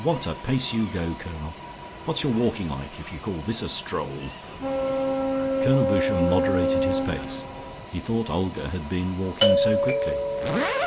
What a pace you go, Colonel! What's your walking like if you call this a stroll?" Colonel Boucher moderated his pace. He thought Olga had been walking so quickly.